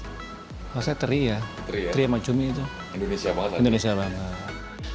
maksudnya teri ya teri sama cumi itu indonesia banget